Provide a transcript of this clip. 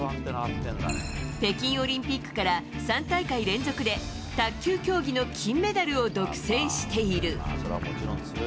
北京オリンピックから３大会連続で卓球競技の金メダルを独占している。